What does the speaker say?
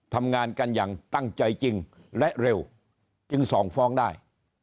ทำงานกันอย่างตั้งใจจริงและเร็วจึงส่งฟ้องได้